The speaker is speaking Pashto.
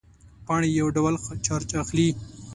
پاڼې یو ډول چارج اخلي.